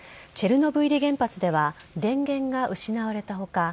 チェルノブイリ原発では電源が失われた他